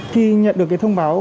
khi nhận được thông báo